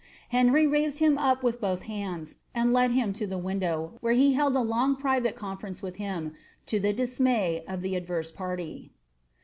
Henry raised him up with both huids, and led him lo the window, where he held a long private confer toee with him, to the dismay of the adverse party.